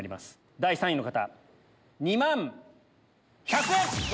第３位の方２万１００円！